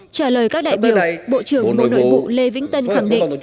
trả lời các đại biểu bộ trưởng bộ nội vụ lê vĩnh tân khẳng định